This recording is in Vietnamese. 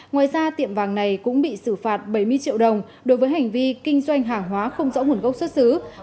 ngoài ra tiệm vàng này cũng bị xử phạt bảy mươi triệu đồng đối với hành vi kinh doanh hàng hóa không rõ nguồn gốc xuất xứ